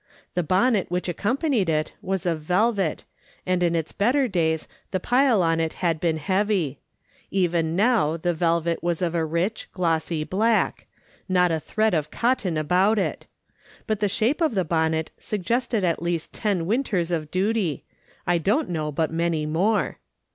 The bonnet which accompanied it was of velvet, and in its better days the pile on it had been heavy ; even now the velvet was of a rich, glos.sy black — not a thread of cotton about it ; but 50 AJKS. SOLOMON SMU'il LOOKING ON. the sliape of the bonnet sugf^csted at least ten winters of duty, I don't know but many more.